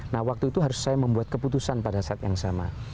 nah waktu itu harus saya membuat keputusan pada saat yang sama